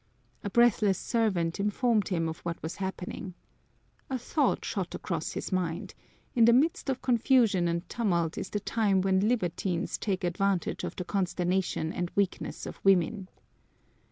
A breathless servant informed him of what was happening. A thought shot across his mind: in the midst of confusion and tumult is the time when libertines take advantage of the consternation and weakness of woman.